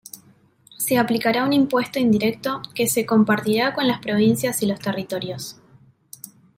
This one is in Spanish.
Se aplicará un impuesto indirecto, que se compartirá con las provincias y los territorios.